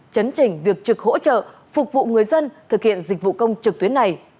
chấn trình việc trực hỗ trợ phục vụ người dân thực hiện dịch vụ công trực tuyến này